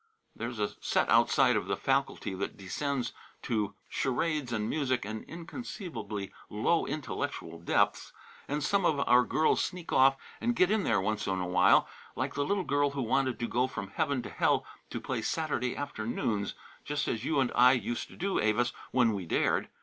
There's a set outside of the faculty that descends to charades and music and inconceivably low intellectual depths; and some of our girls sneak off and get in there once in a while, like the little girl that wanted to go from heaven to hell to play Saturday afternoons, just as you and I used to do, Avis, when we dared.